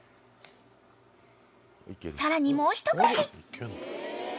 ［さらにもう一口］